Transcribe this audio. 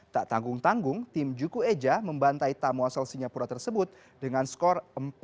tak tanggung tanggung tim juku eja membantai tamu asal singapura tersebut dengan skor empat satu